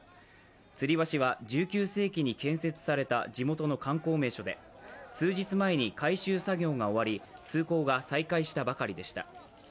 つり橋は１９世紀に建設された地元の観光名所で数日前に改修作業が終わり通行が再開したばかりでした。